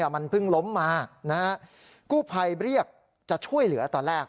มันเพิ่งล้มมากู้ภัยเรียกจะช่วยเหลือตอนแรก